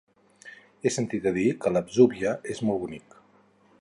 He sentit a dir que l'Atzúbia és molt bonic.